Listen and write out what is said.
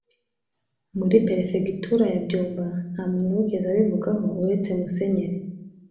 muri Perefegitura ya Byumba Nta muntu wigeze abivugaho uretse Musenyeri